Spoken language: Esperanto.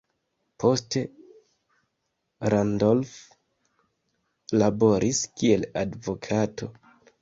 Poste Randolph laboris kiel advokato.